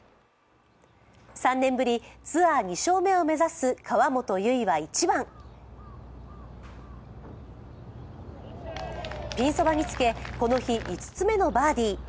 ３年ぶりツアーに２勝目を目指す河本結は１番、ピンそばにつけ、この日、５つ目のバーディー。